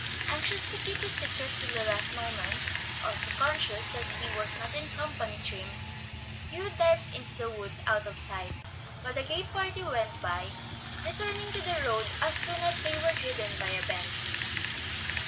Anxious to keep his secret till the last moment, also conscious that he was not in company trim, Hugh dived into the wood, out of sight, while the gay party went by, returning to the road as soon as they were hidden by a bend.